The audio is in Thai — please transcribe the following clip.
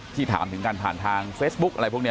ถามถึงกันผ่านทางเฟซบุ๊คอะไรพวกนี้